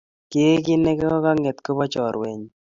Kekit ne kang'etu ko kobo chorweny